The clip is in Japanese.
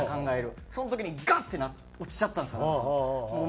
その時にガッ！って落ちちゃったんですよねなんかその。